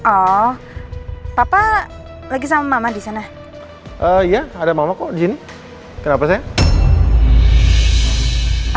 oh papa lagi sama mama di sana iya ada mama kok di sini kenapa saya